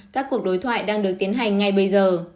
các cuộc đối thoại đang được tiến hành ngay bây giờ